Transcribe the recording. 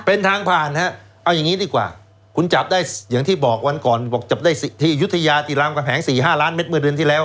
เป็นทางผ่านฮะเอาอย่างนี้ดีกว่าคุณจับได้อย่างที่บอกวันก่อนบอกจับได้ที่ยุธยาที่รามกำแหง๔๕ล้านเม็ดเมื่อเดือนที่แล้ว